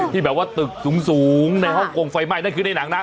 ที่แบบว่าตึกสูงในฮ่องกงไฟไหม้นั่นคือในหนังนะ